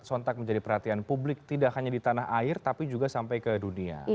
sontak menjadi perhatian publik tidak hanya di tanah air tapi juga sampai ke dunia